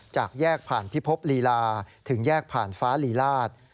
จากแยกผ่านพิภพลีลาถึงแยกผ่านฟ้าลีลาศ